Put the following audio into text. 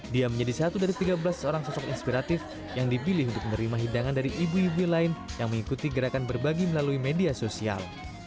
dia menjadi satu dari tiga belas orang sosok inspiratif yang dipilih untuk menerima hidangan dari ibu ibu lain yang mengikuti gerakan berbagi melalui media sosial